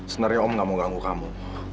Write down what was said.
sebenarnya om gak mau ganggu kamu